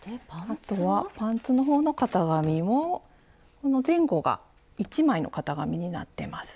あとはパンツのほうの型紙もこの前後が１枚の型紙になってます。